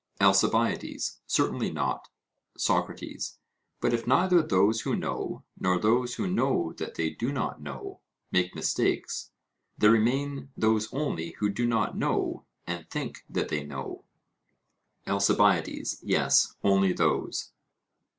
ALCIBIADES: Certainly not. SOCRATES: But if neither those who know, nor those who know that they do not know, make mistakes, there remain those only who do not know and think that they know. ALCIBIADES: Yes, only those.